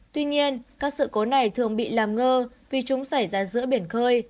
tuy nhiên các sự cố này thường bị làm ngơ vì chúng xảy ra giữa biển khơi